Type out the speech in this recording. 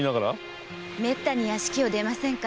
めったに屋敷を出ませんから。